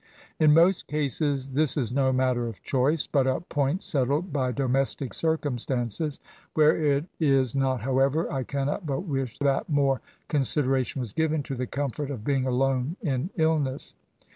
In most cases, this is no matter of choice, but a point settled by domestic circumstances ; where it is not, however, I cannot but wish that more con sideration was given to the comfort of being alone in illness.